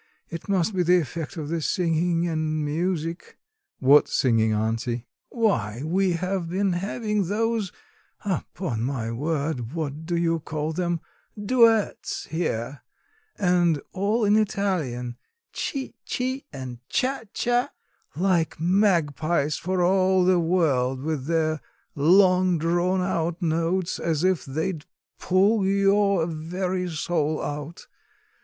It must be the effect of the singing and music." "What singing, auntie?" "Why, we have been having those upon my word, what do you call them duets here. And all in Italian: chi chi and cha cha like magpies for all the world with their long drawn out notes as if they'd pull your very soul out.